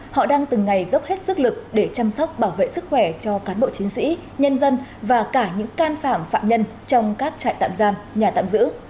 họ đang từng ngày dốc hết sức lực để chăm sóc bảo vệ sức khỏe cho cán bộ chiến sĩ nhân dân và cả những can phạm phạm nhân trong các trại tạm giam nhà tạm giữ